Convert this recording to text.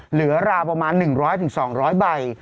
เหลือราวประมาณ๑๐๐๒๐๐ใบ